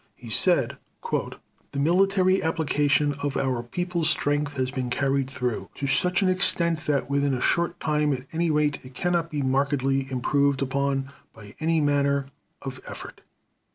He said: "The military application of our people's strength has been carried through to such an extent that within a short time at any rate it cannot be markedly improved upon by any manner of effort